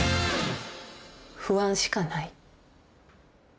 不安しかない。